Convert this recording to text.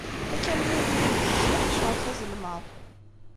Akamyun-nni yezzi s leḥceṛ s azelmaḍ.